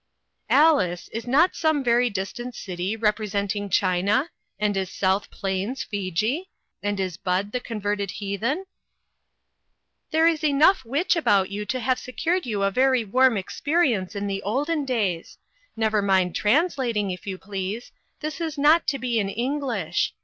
"Alice, is some not very distant city rep resenting China ? and is South Plains Fiji ? and is Bud the converted heathen ?"" There is enough witcli about you to have secured you a very warm experience in the olden days. Never mind translating, if 3 r ou please ; this was not to be in Eng lish.